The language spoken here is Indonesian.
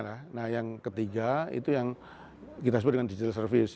nah yang ketiga itu yang kita sebutkan digital service